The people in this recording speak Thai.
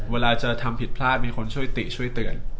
เวลาจะทำผิดพลาดมีคนช่วยติช่วยเตือน